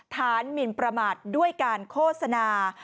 หมินประมาทด้วยการโฆษณา